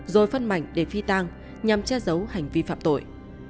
rồi phân mảnh để phi tang nhằm che giấu hành vi phạm tội